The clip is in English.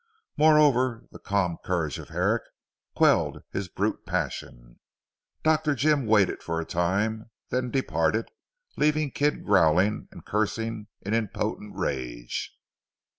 Moreover the calm courage of Herrick quelled his brute passion. Dr. Jim waited for a time, then departed leaving Kidd growling and cursing in impotent rage.